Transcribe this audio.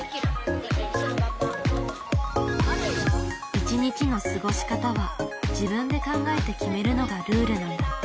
一日の過ごし方は自分で考えて決めるのがルールなんだって。